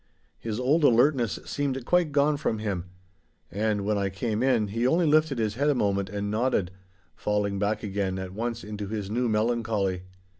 His old alertness seemed quite gone from him. And when I came in he only lifted his head a moment and nodded, falling back again at once into his new melancholy.